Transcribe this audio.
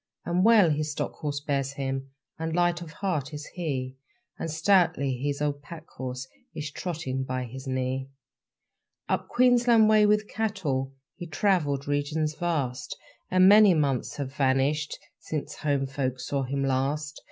And well his stock horse bears him, And light of heart is he, And stoutly his old pack horse Is trotting by his knee. Up Queensland way with cattle He travelled regions vast; And many months have vanished Since home folk saw him last.